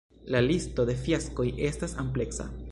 La listo de fiaskoj estas ampleksa.